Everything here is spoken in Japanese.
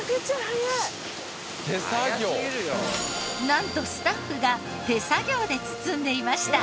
なんとスタッフが手作業で包んでいました。